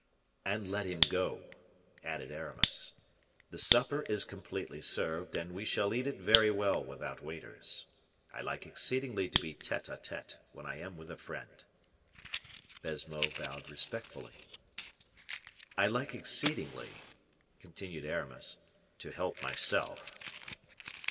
"And let him go," added Aramis. "The supper is completely served, and we shall eat it very well without waiters. I like exceedingly to be tete a tete when I am with a friend." Baisemeaux bowed respectfully. "I like exceedingly," continued Aramis, "to help myself."